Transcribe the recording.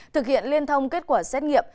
thực hiện liên thông kết quả xét nghiệm